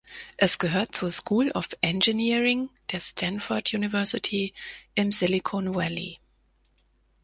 Es gehört zur "School of Engineering" der Stanford University im Silicon Valley.